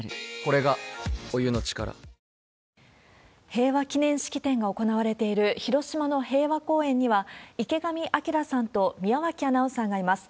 平和記念式典が行われている広島の平和公園には、池上彰さんと宮脇アナウンサーがいます。